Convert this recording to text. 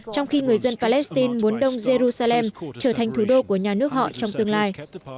trong khi người dân palestine muốn đông jerusalem trở thành thủ đô của nhà nước họ trong tương lai